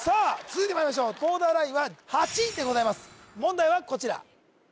続いてまいりましょうボーダーラインは８でございます問題はこちら